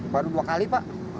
baru dua kali pak